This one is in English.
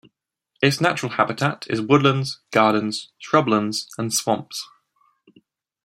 Its natural habitat is woodlands, gardens, shrublands, and swamps.